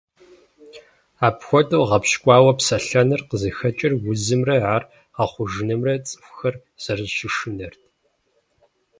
Апхуэдэу гъэпщкӏуауэ псэлъэныр къызыхэкӏыр узымрэ ар гъэхъужынымрэ цӏыхухэр зэрыщышынэрт.